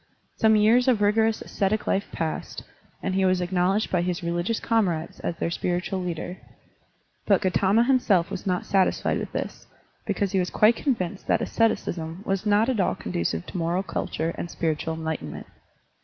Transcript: Some years of rigorous ascetic life passed, and he was acknowledged by his religious comrades as their spiritual leader. But Gautama himself was not satisfied with this, because he was quite convinced that asceticism was not at all conducive to moral culture and spiritual enlightenment.